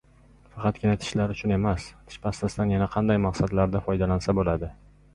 Faqatgina tishlar uchun emas: Tish pastasidan yana qanday maqsadlarda foydalansa bo‘ladi?